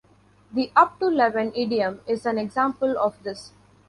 The "up to eleven" idiom is an example of this.